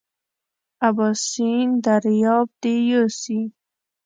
اباسین دریاب دې یوسي.